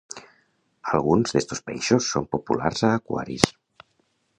Alguns d'estos peixos són populars a aquaris.